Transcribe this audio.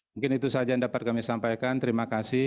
mungkin itu saja yang dapat kami sampaikan terima kasih